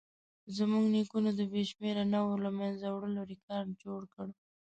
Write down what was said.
زموږ نیکونو د بې شمېره نوعو له منځه وړلو ریکارډ جوړ کړ.